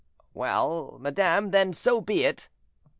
"Well, madame, then, so be it."